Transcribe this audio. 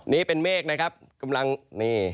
นี่เป็นเมฆนะครับกำลังนี่